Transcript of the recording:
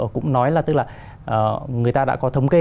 cũng nói là tức là người ta đã có thống kê